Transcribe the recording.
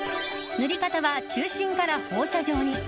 塗り方は中心から放射状に。